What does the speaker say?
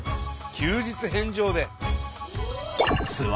休日返上で。